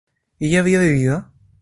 ¿ella había bebido?